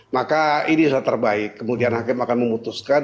maka ini sudah terbaik kemudian hakim akan memutuskan